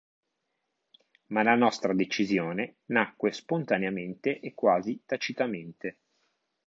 Ma la nostra decisione nacque spontaneamente e quasi tacitamente”.